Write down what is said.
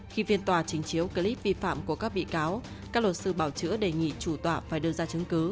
khi phiên tòa trình chiếu clip vi phạm của các bị cáo các luật sư bảo chữa đề nghị chủ tòa phải đưa ra chứng cứ